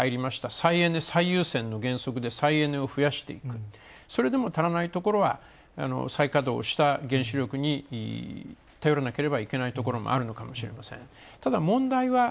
再エネ最優先の原則で、再エネを増やしていくそれでも足らないところは再稼働した原子力に頼らなければいけないところもあるのかもしれません。